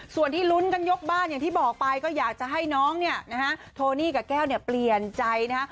ส่วนที่ลุ้นกันยกบ้านอย่างที่บอกไปก็อยากจะให้น้องโทนี่กับแก้วเปลี่ยนใจนะ